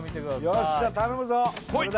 よっしゃ頼むぞこい！